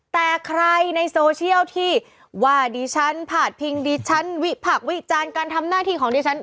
แต่ใครในโซเชียลที่ว่าดิฉันพาดพิงดิฉันวิพักษ์วิจารณ์การทำหน้าที่ของดิฉัน